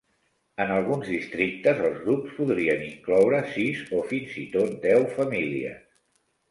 En alguns districtes, els grups podrien incloure sis, o fins i tot deu, famílies.